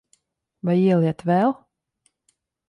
Vai ieliet vēl?